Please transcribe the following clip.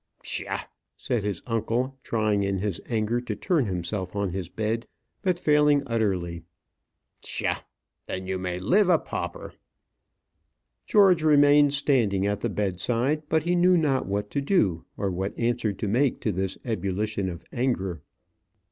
"Psha!" said his uncle, trying in his anger to turn himself on his bed, but failing utterly. "Psha! Then you may live a pauper." George remained standing at the bedside; but he knew not what to do, or what answer to make to this ebullition of anger.